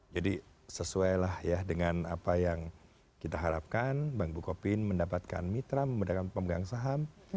jadi sesuai lah ya dengan apa yang kita harapkan bank bukopin mendapatkan mitra memudahkan pemegang saham